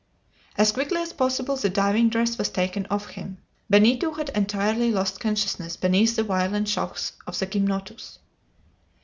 As quickly as possible the diving dress was taken off him. Benito had entirely lost consciousness beneath the violent shocks of the gymnotus.